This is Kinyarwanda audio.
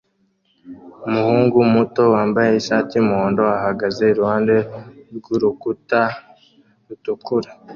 Umuhungu muto wambaye ishati yumuhondo ahagaze iruhande rwurukuta rutukura